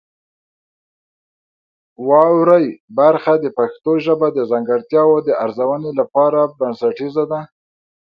واورئ برخه د پښتو ژبې د ځانګړتیاوو د ارزونې لپاره بنسټیزه ده.